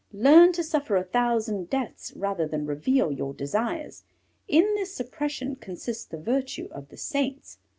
Learn to suffer a thousand deaths rather than reveal your desires; in this suppression consists the virtue of the saints.